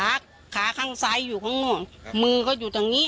ขาขาข้างซ้ายอยู่ข้างนอกมือเขาอยู่ตรงนี้